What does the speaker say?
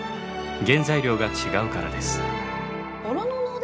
原材料が違うからです。